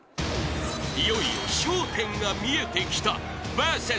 ［いよいよ笑１０が見えてきた］